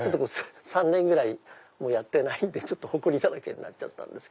３年ぐらいやってないんでほこりだらけになっちゃった。